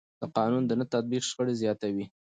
د قانون نه تطبیق شخړې زیاتوي